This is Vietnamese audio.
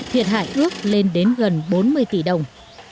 thiệt hại ước lên đến gần bốn mươi tỷ đồng